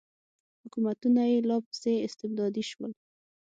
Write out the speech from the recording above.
حکومتونه یې لا پسې استبدادي شول.